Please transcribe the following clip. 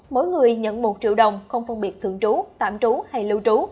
mỗi người nhận một triệu đồng không phân biệt thường trú tạm trú hay lưu trú